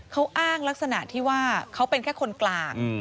เขาอ้างลักษณะที่ว่าเขาเป็นแค่คนกลาง